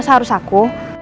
saat harus aku